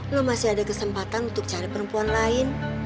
lo masih ada kesempatan untuk cari perempuan lain